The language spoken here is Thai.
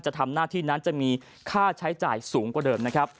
ทำหน้าที่นั้นจะมีค่าใช้จ่ายสูงกว่าเดิมนะครับ